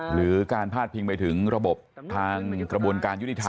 หรือการพาดพิงไปถึงระบบทางกระบวนการยุติธรรม